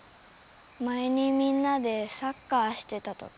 前にみんなでサッカーしてた時。